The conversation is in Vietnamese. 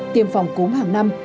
tiêm phòng cúm hàng năm